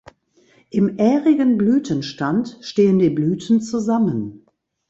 Im ährigen Blütenstand stehen die Blüten zusammen.